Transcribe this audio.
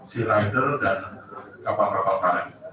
searheader dan kapal kapal karet